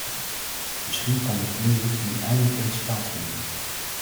Misschien kan dit onderzoek nu eindelijk eens plaatsvinden.